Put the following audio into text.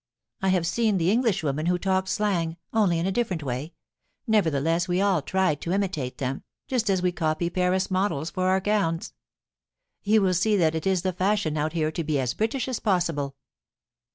I have seen Englishwomen who talked slang, only in a different way ; nevertheless we all tried to imitate them, just as we copy Paris models for our gowns. You will see that it is the fashion out here to be as British as possible.